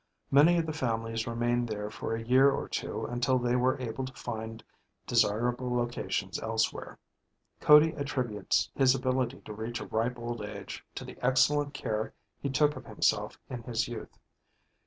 Many of the families remained there for a year or two until they were able to find desirable locations elsewhere. Cody attributes his ability to reach a ripe old age to the excellent care he took of himself in his youth.